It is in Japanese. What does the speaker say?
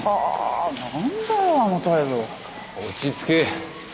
落ち着け。